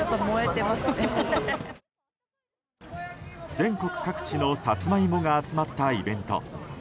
全国各地のサツマイモが集まったイベント。